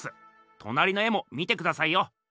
となりの絵も見てくださいよ。